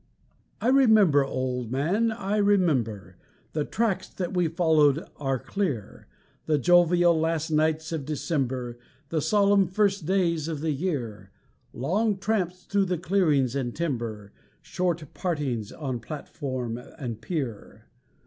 I remember, Old Man, I remember The tracks that we followed are clear The jovial last nights of December, The solemn first days of the year, Long tramps through the clearings and timber, Short partings on platform and pier.